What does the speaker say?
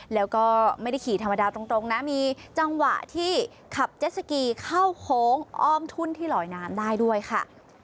แล้วก็ไม่ได้ขี่ธรรมดาตรงนะมีจังหวะที่ขับเจ็ดสกีเข้าโค้งอ้อมทุ่นที่ลอยน้ำได้ด้วยค่ะ